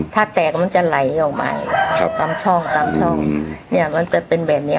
ถ้าแตกมันจะไหลออกมาครับตามช่องตามช่องเนี้ยมันจะเป็นแบบเนี้ย